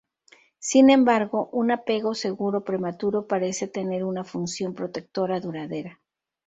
Sin embargo, un apego seguro prematuro parece tener una función protectora duradera.